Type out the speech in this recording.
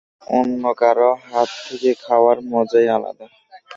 অন্য কারো হাত থেকে খাওয়ার, মজাই আলাদ।